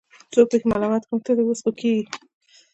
څوک پکې ملامت کړم.